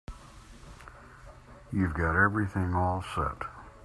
You've got everything all set?